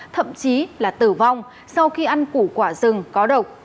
thậm chí là tử vong sau khi ăn củ quả rừng có độc